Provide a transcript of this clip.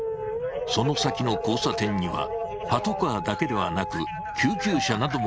その先の交差点にはパトカーだけではなく救急車なども集結していた。